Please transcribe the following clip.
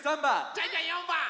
ジャンジャン４ばん！